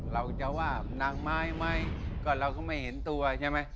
เราจะว่านางไม้ไหมก็เราก็ไม่เห็นตัวใช่ไหม